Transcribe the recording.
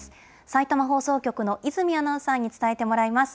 さいたま放送局の泉アナウンサーに伝えてもらいます。